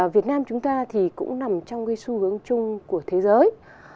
việt nam chúng ta thì cũng nằm trong cái xu hướng chung của thế giới